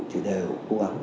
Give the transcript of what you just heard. thì đều cố gắng